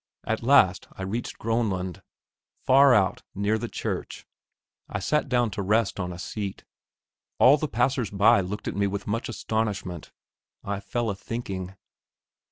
At last I reached Gronland; far out, near the church, I sat down to rest on a seat. All the passers by looked at me with much astonishment. I fell a thinking.